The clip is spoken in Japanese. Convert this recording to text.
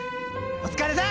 お疲れさん。